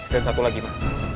dan satu lagi ma